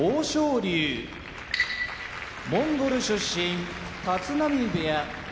龍モンゴル出身立浪部屋